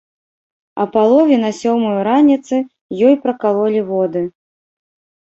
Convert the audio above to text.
А палове на сёмую раніцы ёй пракалолі воды.